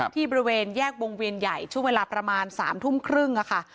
บริเวณแยกวงเวียนใหญ่ช่วงเวลาประมาณ๓ทุ่มครึ่งค่ะ